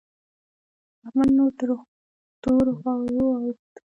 احمد نور تر تورو غرو واوښت.